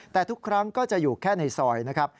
แต่ทุกครั้งก็จะอยู่แค่ในซอยนะครับ